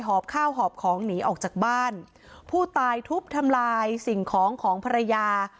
อบข้าวหอบของหนีออกจากบ้านผู้ตายทุบทำลายสิ่งของของภรรยา